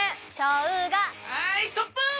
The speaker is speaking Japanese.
はいストップ！